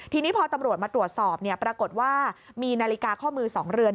ทีนี้พอตำรวจมาตรวจสอบปรากฏว่ามีนาฬิกาข้อมือ๒เรือน